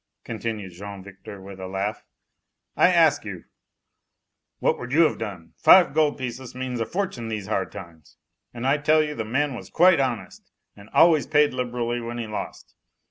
continued Jean Victor with a laugh, "I ask you, what would you have done? Five gold pieces means a fortune these hard times, and I tell you the man was quite honest and always paid liberally when he lost.